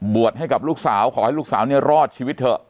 ให้กับลูกสาวขอให้ลูกสาวเนี่ยรอดชีวิตเถอะ